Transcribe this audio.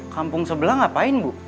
kampung sebelah ngapain bu